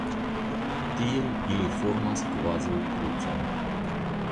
Tiel ili formas kvazaŭ krucon.